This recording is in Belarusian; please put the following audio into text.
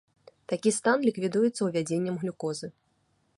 Такі стан ліквідуецца увядзеннем глюкозы.